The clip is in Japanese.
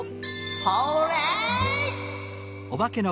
ホーレイ！